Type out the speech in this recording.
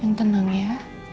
yang tenang ya